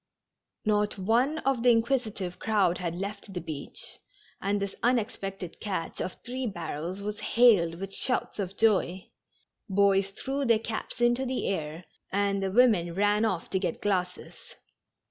Not one of the inquisitive crowd had left the beach, and this unexpected catch of three barrels was hailed with shouts of joy. Boys threw their caps into the air, and the women ran off* to get glasses.